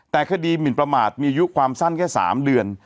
แต่คดีหมินประมาทมีอายุความสั้นแค่๓เดือน